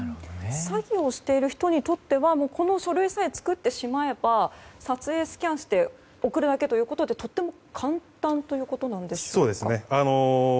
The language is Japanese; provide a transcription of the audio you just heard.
詐欺をしている人にとってはこの書類さえ作ってしまえば撮影スキャンして送るだけなのでとても簡単ということですか？